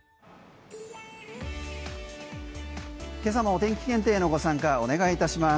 今朝もお天気検定へのご参加をお願いいたします。